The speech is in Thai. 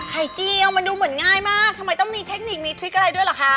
เจียวมันดูเหมือนง่ายมากทำไมต้องมีเทคนิคมีทริคอะไรด้วยเหรอคะ